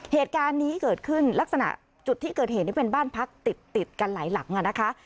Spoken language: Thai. เหตุการณ์นี้เกิดขึ้นลักษณะจุดที่เกิดเหตุนี่เป็นบ้านพักติดกันหลายหลังนะคะ